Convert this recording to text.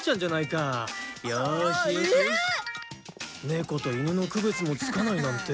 猫と犬の区別もつかないなんて。